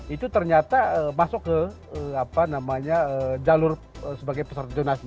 itu ternyata masuk ke jalur sebagai peserta jonasi